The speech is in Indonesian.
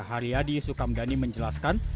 haryadi sukamdhani menjelaskan